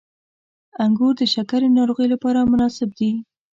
• انګور د شکرې ناروغۍ لپاره مناسب دي.